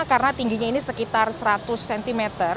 karena tingginya ini sekitar satu meter